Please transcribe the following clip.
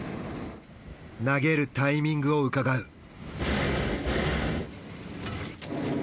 投げるタイミングを伺う。